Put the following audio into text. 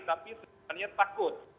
tapi sebenarnya takut